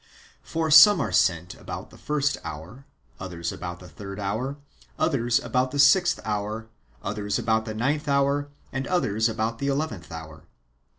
For some are sent about the first hour, others about the third hour, others about the sixth hour, others about the ninth hour, and others about the eleventh hour.